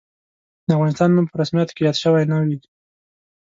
د افغانستان نوم په رسمیاتو کې یاد شوی نه وي.